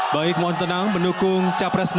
baik mohon tenang mendukung capres dua